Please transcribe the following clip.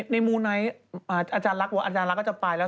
ในเมวุนายถ์อาจารย์ลักษณ์บอกว่าอาจารย์ลักษณ์ก็จะไปแล้ว